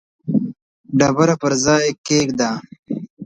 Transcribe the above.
ډبره پر ځای کښېږده.